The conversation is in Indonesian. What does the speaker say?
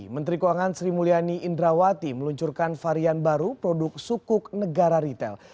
menteri keuangan sri mulyani indrawati meluncurkan varian baru produk sukuk negara retail